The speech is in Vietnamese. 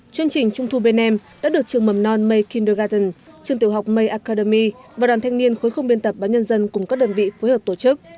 chương trình trung thu bên em đã được trường mầm non may kindergarden trường tiểu học may academy và đoàn thanh niên khối không biên tập báo nhân dân cùng các đơn vị phối hợp tổ chức